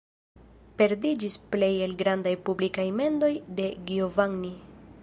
Perdiĝis plej el la grandaj publikaj mendoj de Giovanni.